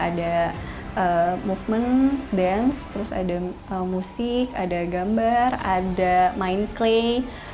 ada movement dance terus ada musik ada gambar ada main play